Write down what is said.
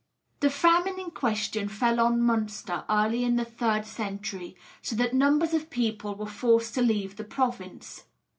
The famine in question fell on Munster early in the third century, so that numbers of people were forced to leave the province.